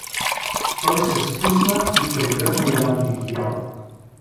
Той се спусна и прегърна Ян Бибиян.